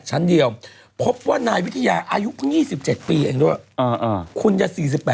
ทั้งนั้นเดียวพบว่านายวิทยาอายุเพิ่ง๒๗ปีคุณยา๔๘